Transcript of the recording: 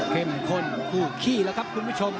ข้นคู่ขี้แล้วครับคุณผู้ชม